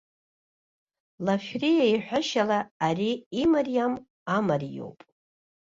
Лашәриа иҳәашьала, ари имариам амариоуп.